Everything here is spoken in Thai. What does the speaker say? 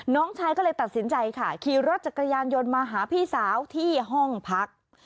น้องชายก็เลยตัดสินใจค่ะขี่รถจักรยานยนต์มาหาพี่สาวที่ห้องพัก